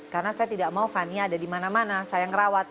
karena saya tidak mau fania ada di mana mana saya yang rawat